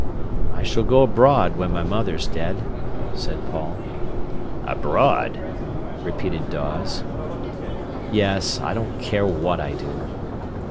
"I s'll go abroad when my mother's dead," said Paul. "Abroad!" repeated Dawes. "Yes; I don't care what I do."